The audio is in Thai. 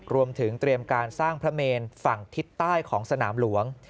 รวมถึงเตรียมการสร้างพระเมนฝั่งทิศใต้ของสนามหลวง